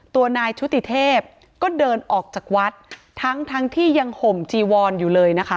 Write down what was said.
ตัวนายชุติเทพก็เดินออกจากวัดทั้งทั้งที่ยังห่มจีวอนอยู่เลยนะคะ